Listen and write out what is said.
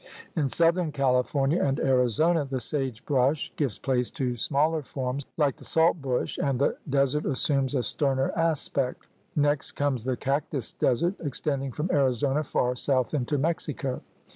In southern Cahfornia and Arizona the sage brush gives place to smaller forms like the salt bush, and the desert assumes a sterner aspect. Next comes the cactus desert extending from Arizona far south into Mexico.